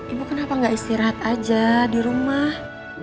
ibu kenapa nggak istirahat aja di rumah